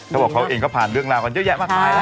เขาบอกเขาเองก็ผ่านเรื่องราวกันเยอะแยะมากมายแล้ว